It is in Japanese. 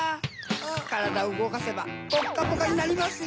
からだをうごかせばポッカポカになりますよ！